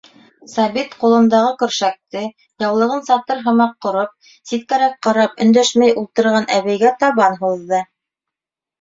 Сабит ҡулындағы көршәкте, яулығын сатыр һымаҡ ҡороп, ситкәрәк ҡарап, өндәшмәй ултырған әбейгә табан һуҙҙы.